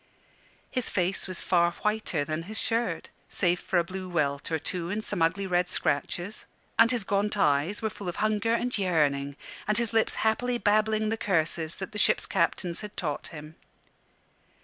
His face was far whiter than his shirt, save for a blue welt or two and some ugly red scratches; and his gaunt eyes were full of hunger and yearning, and his lips happily babbling the curses that the ships' captains had taught him.